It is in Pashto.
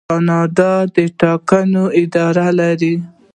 کاناډا د ټاکنو اداره لري.